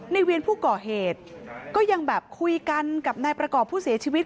เวียนผู้ก่อเหตุก็ยังแบบคุยกันกับนายประกอบผู้เสียชีวิต